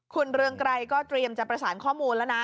คุณเรืองไกรก็เตรียมจะประสานข้อมูลแล้วนะ